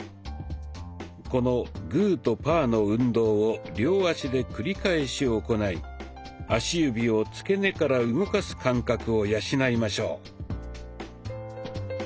このグーとパーの運動を両足で繰り返し行い足指をつけ根から動かす感覚を養いましょう。